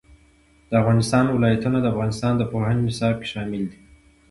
د افغانستان ولايتونه د افغانستان د پوهنې نصاب کې شامل دي.